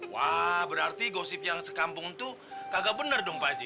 wah berarti gosip yang sekampung itu kagak benar dong pak haji